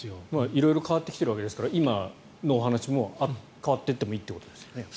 色々変わってきているわけですから今のお話も変わっていってもいいということですよね。